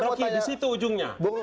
roky di situ ujungnya